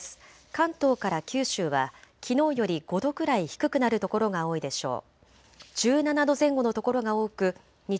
関東から九州はきのうより５度くらい低くなる所が多いでしょう。